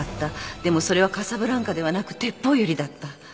でもそれはカサブランカではなくテッポウユリだった。